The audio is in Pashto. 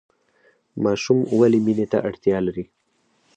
ماشوم ولې مینې ته اړتیا لري؟